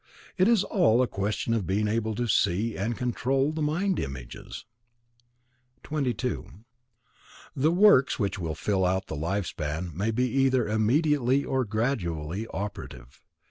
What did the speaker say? It is all a question of being able to see and control the mind images. 22. The works which fill out the life span may be either immediately or gradually operative.